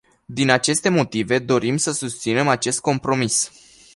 Din aceste motive, dorim să susținem acest compromis.